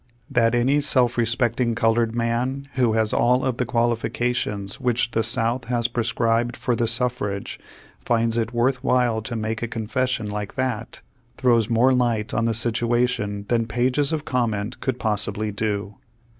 That any self respecting colored man, who has all of the qualifications which the South has pre scribed for the suffrage, finds it worth while to make a confession like that, throws more light on the situation than pages of comment could pos sibly do.